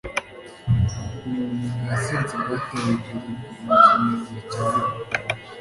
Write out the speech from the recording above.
ubumenyi bwa siyansi bwateye imbere cyane kuva mu kinyejana cya rimwe